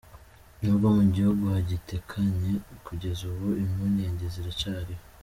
"N'ubwo mu gihugu hagitekanye kugeza ubu, impungenge ziracariho".